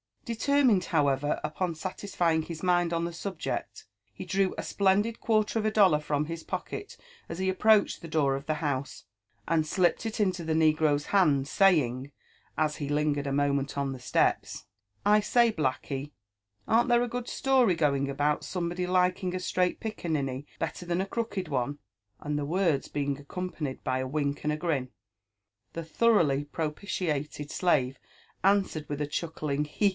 Determined however upon satisfying his mind on the subject, he drew a splendid quarter of a dollar from his pocket as he ap^ proached the door of the house, and slipped it into the negro's hand^ saying, as he lingered a moment on the steps, ^* I gay, blacky, arn't there a good story going abont somebody liking a straight piccaniny better than a crooked one T' And the words being accompanied by a wink and a grin, the thoroughly propitiated slave answered with a chuckling He I he!